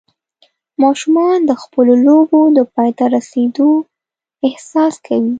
ماشومان د خپلو لوبو د پای ته رسېدو احساس کوي.